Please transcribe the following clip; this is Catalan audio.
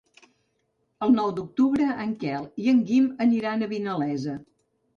El nou d'octubre en Quel i en Guim aniran a Vinalesa.